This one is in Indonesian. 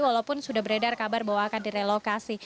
walaupun sudah beredar kabar bahwa akan direlokasi